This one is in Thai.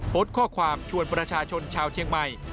โพสต์ข้อความชวนประชาชนชาวเชียงใหม่